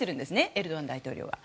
エルドアン大統領は。